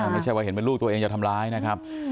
ไม่ใช่ว่าเห็นเป็นลูกตัวเองจะทำร้ายนะครับ